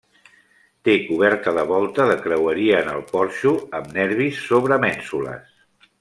Té coberta de volta de creueria en el porxo, amb nervis sobre mènsules.